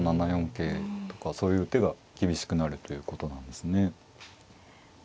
桂とかそういう手が厳しくなるということなんですね。